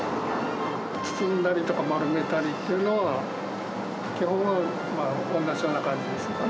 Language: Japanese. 包んだりとか丸めたりっていうのは、基本は同じような感じです。